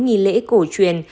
nghị lễ cổ truyền